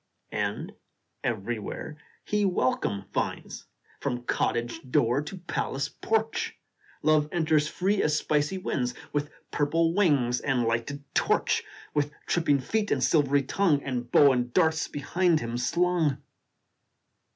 And everywhere he welcome finds, From cottage door to palace porch Love enters free as spicy winds, With purple wings and lighted torch, With tripping feet and silvery tongue, And bow and darts behind him slung.